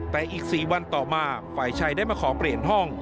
แต่อีก๔วันต่อมาฝ่ายชายได้มาขอเปลี่ยนห้อง